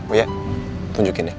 oh iya tunjukin ya